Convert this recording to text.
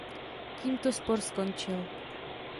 Tímto spor skončil.